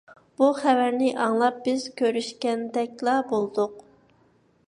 بۇ خەۋەرنى ئاڭلاپ، بىز كۆرۈشكەندەكلا بولدۇق.